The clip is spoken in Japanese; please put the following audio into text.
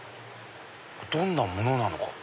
どんなものなのか。